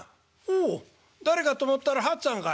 「お誰かと思ったら八っつぁんかい。